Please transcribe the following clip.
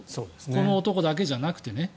この男だけじゃなくてね。